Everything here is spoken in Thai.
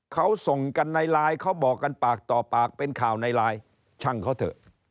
เขาส่งกันในไลน์เขาบอกกันปากต่อปากเป็นข่าวในไลน์ช่างเขาเถอะ